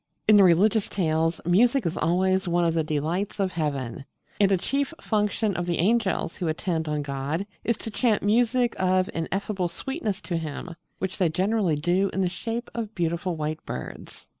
In the religious tales music is always one of the delights of heaven; and a chief function of the angels who attend on God is to chant music of ineffable sweetness to Him, which they generally do in the shape of beautiful white birds.